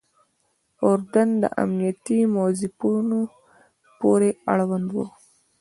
د اردن امنیتي موظفینو پورې اړوند وو.